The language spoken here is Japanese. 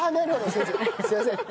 先生すいません。